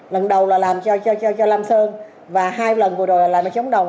lần đầu là làm cho lam sơn và hai lần vừa rồi là làm cho chống đồng